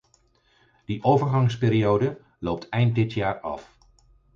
Die overgangsperiode loopt eind dit jaar af.